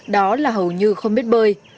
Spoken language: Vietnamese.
đó là hầu như không biết bơi